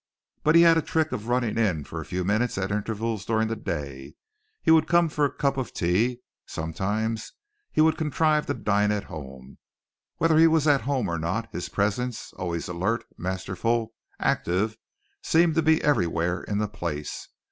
But he had a trick of running in for a few minutes at intervals during the day; he would come for a cup of tea; sometimes he would contrive to dine at home; whether he was at home or not, his presence, always alert, masterful, active, seemed to be everywhere in the place.